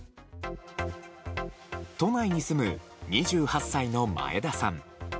都内に住む２８歳の前田さん。